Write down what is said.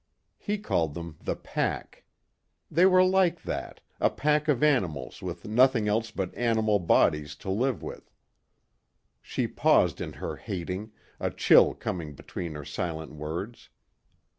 He called them the pack. They were like that a pack of animals with nothing else but animal bodies to live with. She paused in her hating, a chill coming between her silent words.